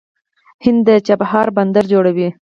هند د چابهار بندر جوړوي.